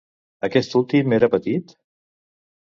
Aquest últim, era petit?